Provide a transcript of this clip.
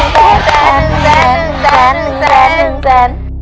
ผิดนะคะ